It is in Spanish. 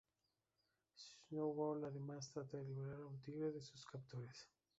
Snowball, además, trata de liberar aun tigre de sus captores.